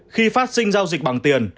khi phát sinh giao dịch bằng tiền